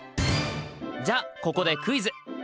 じゃあここでクイズ！